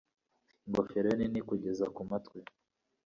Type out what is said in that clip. ingofero ye nini kugeza ku matwi